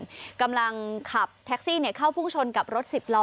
กำลังขับแท็กซี่เข้าพุ่งชนกับรถสิบล้อ